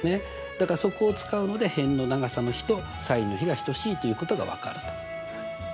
だからそこを使うので辺の長さの比とｓｉｎの比が等しいということが分かると。